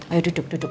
ayo duduk duduk